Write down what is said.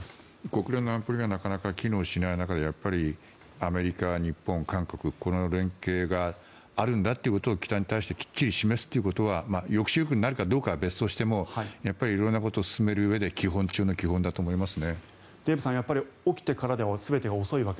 国連の安保理がなかなか機能しない中でアメリカ、日本、韓国この連携があるんだということを北に対してきっちり示すということは抑止力になるかどうかは別としてもやっぱり色々なことを進めるうえで基本中の基本だと思います。